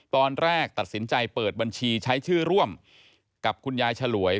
ตอนแรกตัดสินใจเปิดบัญชีใช้ชื่อร่วมกับคุณยายฉลวย